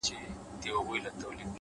اراده ناممکن کارونه ممکنوي،